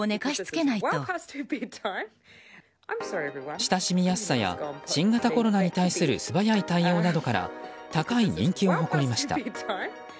親しみやすさや新型コロナに対する素早い対応などから高い人気を誇りました。